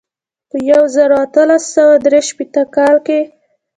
په یو زر او اتلس سوه درې شپېته کال کې.